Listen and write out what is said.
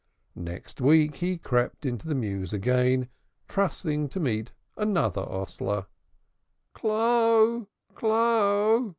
Next week he crept into the mews again, trusting to meet another hostler. "Clo'! Clo'!"